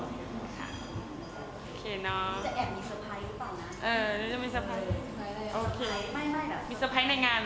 โอเคเนอะ